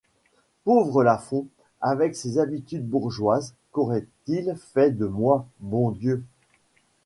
Pauvre Lafont, avec ses habitudes bourgeoises, qu'aurait-il fait de moi, bon Dieu !